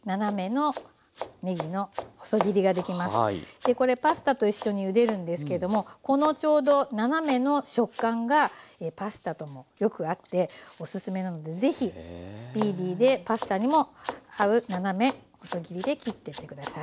でこれパスタと一緒にゆでるんですけれどもこのちょうど斜めの食感がパスタともよく合っておすすめなので是非スピーディーでパスタにも合う斜め細切りで切ってって下さい。